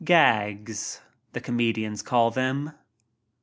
"Gags," the comedians call them.